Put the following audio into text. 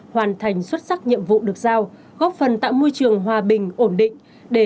hoàn thành xuất sắc nhiệm vụ được giao góp phần tạo môi trường hòa bình ổn định